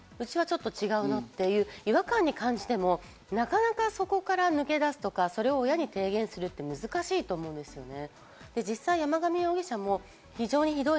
うちはちょっと違うなっていう違和感に感じても、なかなかそこから抜け出すとか、それを親に提言するって難しいと思うんですよね。